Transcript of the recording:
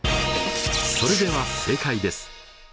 それでは正解です。